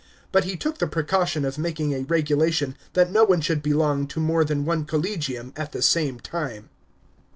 But he took the precaution of making a regulation that no one should belong to mote than one collegium at the same time.